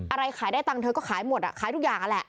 อะไรขายได้ตังค์เธอก็ขายหมดอ่ะขายทุกอย่างนั่นแหละ